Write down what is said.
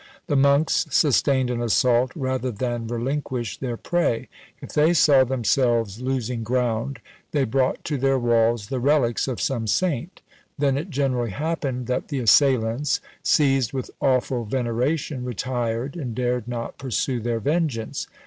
The monks sustained an assault rather than relinquish their prey: if they saw themselves losing ground, they brought to their walls the relics of some saint. Then it generally happened that the assailants, seized with awful veneration, retired, and dared not pursue their vengeance.